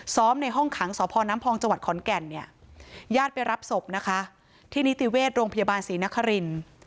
ซ้อมในห้องขังสนจขอนแก่นญาติไปรับศพที่นิติเวทย์โรงพยาบาลศรีนครินทร์